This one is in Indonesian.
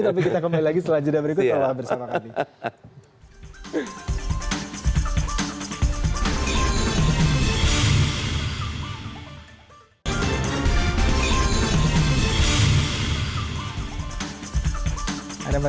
tapi kita kembali lagi selanjutnya berikut bersama kami